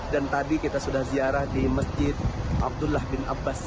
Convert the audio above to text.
dan tadi kita sudah ziarah di masjid abdullah bin abbas